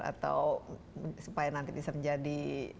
atau supaya nanti bisa menjadi